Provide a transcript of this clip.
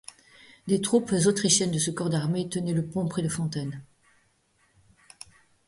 Des troupes autrichienne de ce corps d’armée tenaient le pont près de Fontaine.